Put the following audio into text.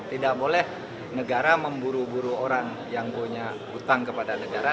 tidak boleh negara memburu buru orang yang punya hutang kepada negara